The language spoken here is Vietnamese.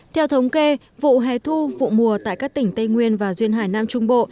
theo thống kê vụ hè thu vụ mùa tại các tỉnh tây nguyên và duyên hải nam trung bộ